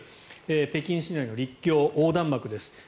北京市内の陸橋横断幕です。